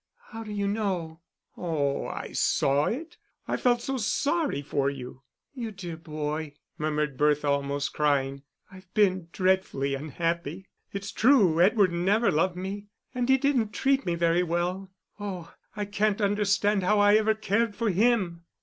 "How do you know?" "Oh, I saw it. I felt so sorry for you." "You dear boy!" murmured Bertha, almost crying. "I've been dreadfully unhappy. It's true, Edward never loved me and he didn't treat me very well. Oh, I can't understand how I ever cared for him."